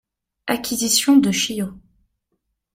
- Acquisition de Chio.